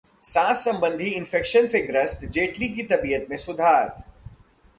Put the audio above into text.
सांस संबंधी इंफेक्शन से ग्रस्त जेटली की तबीयत में सुधार